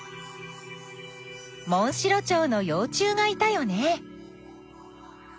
モンシロチョウのよう虫がいたよね。